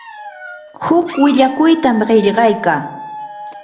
huk willakuytam qillqaykaa.